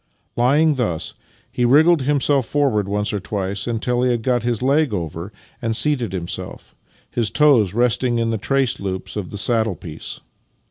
Lying thus, he wriggled himself forward once or twice until he had got his leg over and seated himself, his toes resting in the trace loops of the saddle piece.